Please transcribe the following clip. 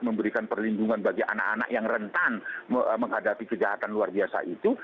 memberikan perlindungan bagi anak anak yang rentan menghadapi kejahatan luar biasa itu